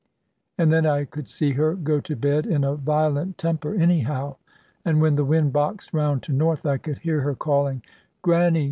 And then I could see her go to bed, in a violent temper anyhow: and when the wind boxed round to north, I could hear her calling, "Granny."